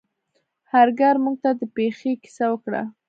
هارکر موږ ته د پیښې کیسه وکړه.